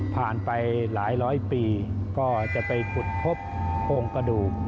ไปหลายร้อยปีก็จะไปขุดพบโครงกระดูก